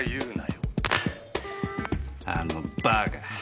あのバーカ。